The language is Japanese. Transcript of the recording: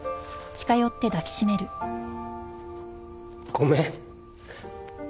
ごめん。